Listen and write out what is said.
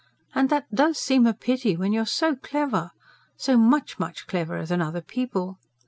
And that DOES seem a pity, when you are so clever so much, much cleverer than other people!